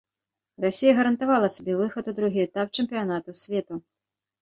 Расія гарантавала сабе выхад у другі этап чэмпіянату свету.